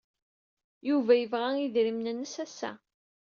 Yuba yebɣa idrimen-nnes ass-a.